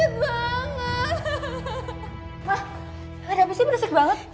mah ada abisnya beresik banget